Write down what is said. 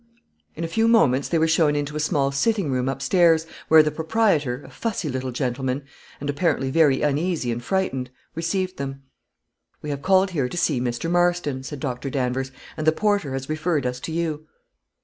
In a few moments they were shown into a small sitting room up stairs, where the proprietor, a fussy little gentleman, and apparently very uneasy and frightened, received them. "We have called here to see Mr. Marston," said Doctor Danvers, "and the porter has referred us to you."